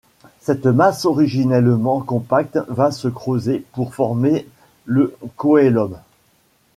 Cette masse originellement compacte va se creuser pour former le cœlome.